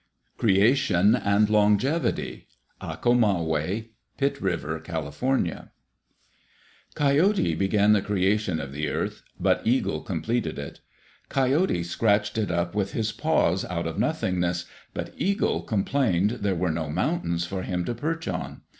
Creation and Longevity Achomawi (Pit River, Cal.) Coyote began the creation of the earth, but Eagle completed it. Coyote scratched it up with his paws out of nothingness, but Eagle complained there were no mountains for him to perch on.